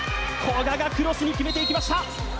古賀がクロスに決めていきました！